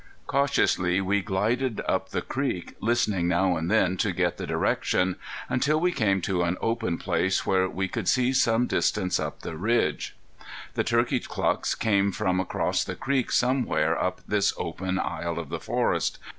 Cautiously we glided up the creek, listening now and then to get the direction, until we came to an open place where we could see some distance up a ridge. The turkey clucks came from across the creek somewhere up this open aisle of the forest.